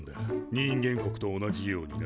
人間国と同じようにな。